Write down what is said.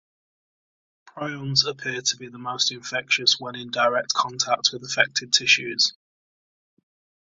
Prions appear to be most infectious when in direct contact with affected tissues.